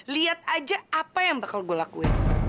lihat aja apa yang bakal gue lakuin